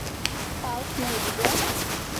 Pulse নেই, বিজয়।